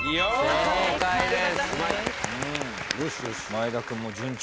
正解です。